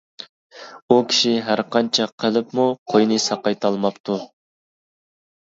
ئۇ كىشى ھەر قانچە قىلىپمۇ قوينى ساقايتالماپتۇ.